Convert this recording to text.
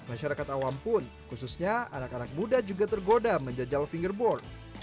masyarakat awam pun khususnya anak anak muda juga tergoda menjajal fingerboard